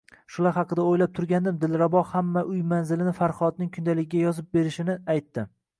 Shular haqida o`ylab turgandim, Dilrabo hamma uy manzilini Farhodning kundaligiga yozib berishini aytdi